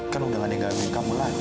kan udah ada yang gangguin kamu lagi